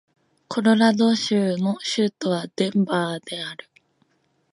コロラド州の州都はデンバーである